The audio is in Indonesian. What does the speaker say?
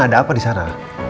ada apa di sana